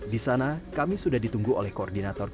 di sana kami sudah ditunggu oleh koordinator